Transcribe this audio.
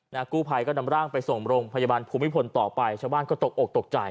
กู้ภัยก็นำร่างไปส่งโรงพยาบาลภูมิพลต่อไปชาวบ้านก็ตกอกตกใจ